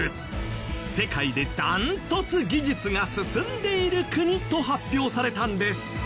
世界でダントツ技術が進んでいる国と発表されたんです。